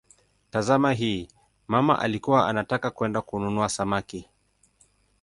Tazama hii: "mama alikuwa anataka kwenda kununua samaki".